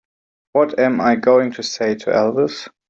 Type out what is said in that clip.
What am I going to say to Elvis?